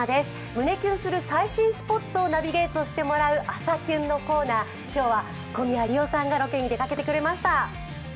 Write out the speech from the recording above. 胸キュンする最新スポットをナビゲートしてもらう「朝キュン」のコーナー、今日は小宮璃央さんがロケに出かけてくれました。